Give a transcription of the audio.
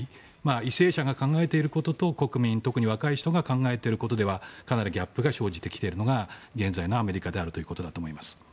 為政者が考えていることと国民、特に若い人が考えていることではかなりギャップが生じてきているのが現在のアメリカだということだと思います。